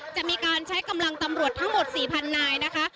จะมีการใช้กำลังตำรวจทั้งหมด๔๐๐นายนะคะ